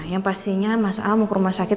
yang pastinya mas a mau ke rumah sakit